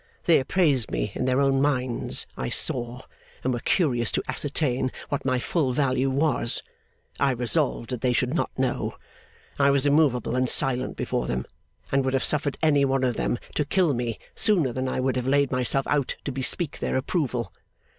They appraised me in their own minds, I saw, and were curious to ascertain what my full value was. I resolved that they should not know. I was immovable and silent before them; and would have suffered any one of them to kill me sooner than I would have laid myself out to bespeak their approval.